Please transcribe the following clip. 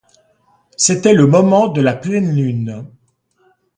C’était le moment de la pleine lune.